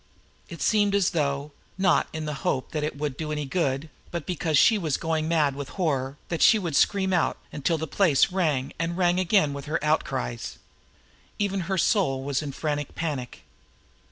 It seemed as though, not in the hope that it would do any good, but because she was going mad with horror, that she would scream out until the place rang and rang again with her outcries. Even her soul was in frantic panic.